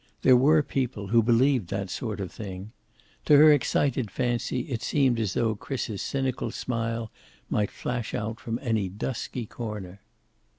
There were people who believed that sort of thing. To her excited fancy it seemed as though Chris's cynical smile might flash out from any dusky corner.